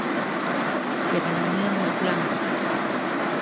Pero non é o meu plan.